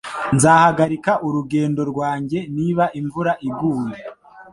Nzahagarika urugendo rwanjye niba imvura iguye.